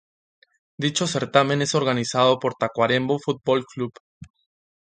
Dicho certamen es organizado por Tacuarembó Fútbol Club.